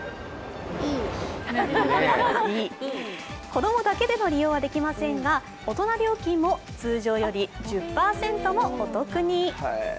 子供だけでの利用できませんが、大人料金も通常より１０％もお得に。